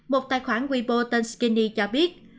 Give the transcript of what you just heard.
một tài khoản weibo tên skinny cho biết